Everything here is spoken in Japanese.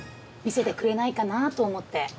見せてくれないかなと思って。